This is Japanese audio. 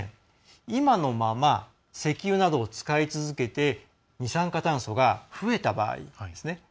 今のまま石油などを使い続けて二酸化炭素が増えた場合ですね。